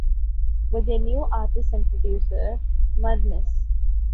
With their new artist and producer, Mirnes.